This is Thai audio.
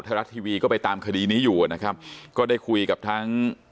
รัฐทีวีก็ไปตามคดีนี้อยู่นะครับก็ได้คุยกับทั้ง